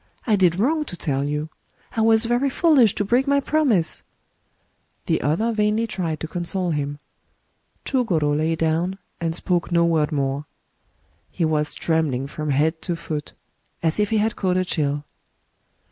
I did wrong to tell you ;— I was very foolish to break my promise. ..." The other vainly tried to console him. Chugoro lay down, and spoke no word more. He was trembling from head to foot, as if he had caught a chill.